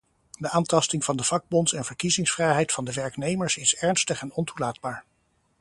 De aantasting van de vakbonds- en verkiezingsvrijheid van de werknemers is ernstig en ontoelaatbaar.